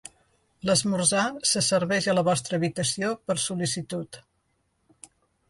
L'esmorzar se serveix a la vostra habitació per sol·licitud.